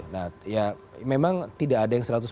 nah ya memang tidak ada yang